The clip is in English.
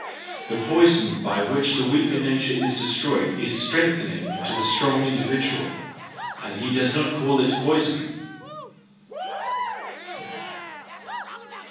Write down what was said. The poison by which the weaker nature THE JOYFUL WISDOM, I 57 is destroyed is strengthening to the strong indi¬ vidual—and he does not call it poison.